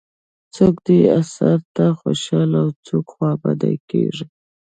څوک دې اثر ته خوشاله او څوک خوابدي کېږي.